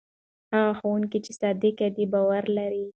هغه ښوونکی چې صادق دی باور لري.